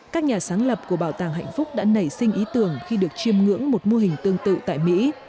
các nhà sáng lập của bảo tàng hạnh phúc đã nảy sinh ý tưởng khi được chiêm ngưỡng một mô hình tương tự tại mỹ